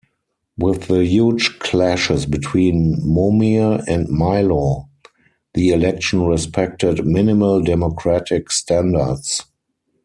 With the huge clashes between Momir and Milo, the election respected minimal democratic standards.